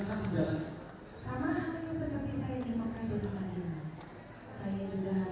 dan segala macam yang disimpan oleh